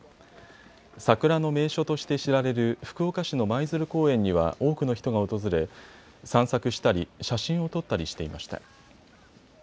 桜の名所として知られる福岡市の舞鶴公園には多くの人が訪れ散策したり、写真を撮ったりしていました。